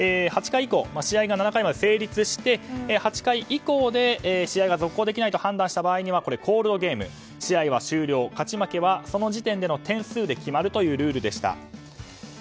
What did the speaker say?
試合が７回まで成立して８回以降で試合が続行できないと判断した場合にはコールドゲーム、試合は終了勝ち負けはその時点での点数で決まるというルールでした。